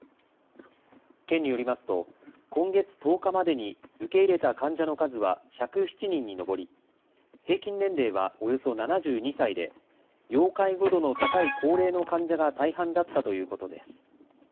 県によりますと、今月１０日までに受け入れた患者の数は１０７人に上り、平均年齢はおよそ７２歳で、要介護度の高い高齢の患者が大半だったということです。